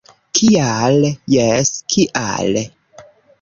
Kial? - Jes, kial?